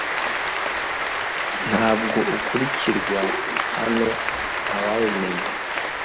Ntabwo ukirirwa hano ntiwabimenya